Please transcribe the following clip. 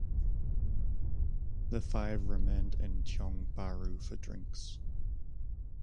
The five remained in Tiong Bahru for drinks.